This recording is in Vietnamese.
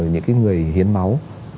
những cái người hiến máu